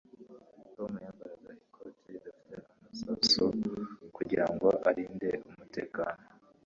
Tom yambaraga ikoti ridafite amasasu, kugirango arinde umutekano.